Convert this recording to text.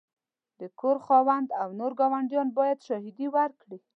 د کور خاوند او نور ګاونډیان باید شاهدي ورکړي.